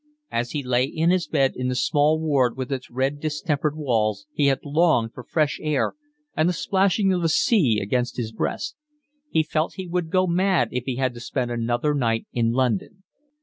As he lay in his bed in the small ward with its red, distempered walls he had longed for fresh air and the splashing of the sea against his breast. He felt he would go mad if he had to spend another night in London.